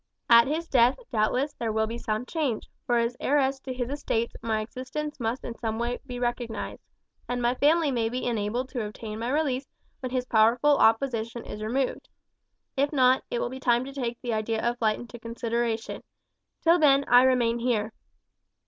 At his death doubtless there will be some change, for as heiress to his estates my existence must be in some way recognized, and my family may be enabled to obtain my release when his powerful opposition is removed; if not, it will be time to take the idea of flight into consideration; till then I remain here.